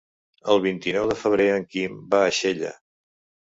El vint-i-nou de febrer en Quim va a Xella.